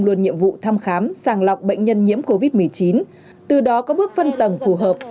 luôn nhiệm vụ thăm khám sàng lọc bệnh nhân nhiễm covid một mươi chín từ đó có bước phân tầng phù hợp